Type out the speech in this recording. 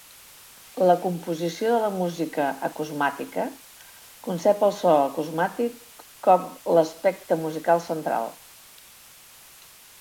La composició de la música acusmàtica concep el so acusmàtic com l'aspecte musical central.